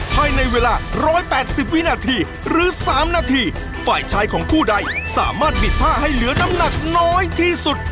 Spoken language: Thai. ภายในเวลา๑๘๐วินาทีหรือ๓นาทีฝ่ายชายของคู่ใดสามารถบิดผ้าให้เหลือน้ำหนักน้อยที่สุด